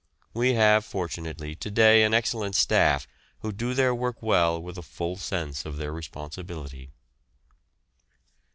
We have fortunately to day an excellent staff who do their work well with a full sense of their responsibility.